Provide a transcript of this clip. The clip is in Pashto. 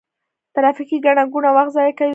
ترافیکي ګڼه ګوڼه وخت ضایع کوي.